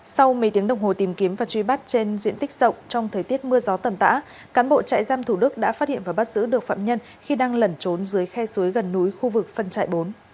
sau mấy tiếng đồng hồ tìm kiếm và truy bắt trên diện tích rộng trong thời tiết mưa gió tầm tã cán bộ trại giam thủ đức đã phát hiện và bắt giữ được phạm nhân khi đang lẩn trốn dưới khe suối gần núi khu vực phân trại bốn